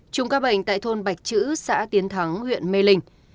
chung ca bệnh tại thôn bạch chữ xã tiến thắng huyện mê linh